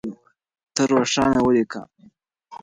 ته روښانه وليکه.